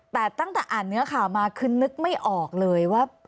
แต่ตั้งแต่อ่านเนื้อข่าวมาคือนึกไม่ออกเลยว่า